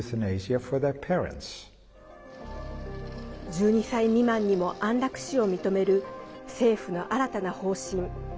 １２歳未満にも安楽死を認める政府の新たな方針。